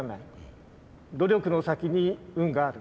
努力の先に運がある。